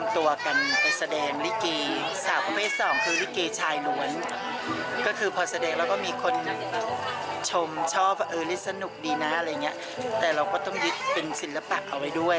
แต่เราก็ต้องยึดเป็นศิลปะเอาไว้ด้วย